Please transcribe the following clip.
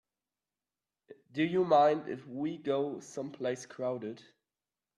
Do you mind if we go someplace crowded?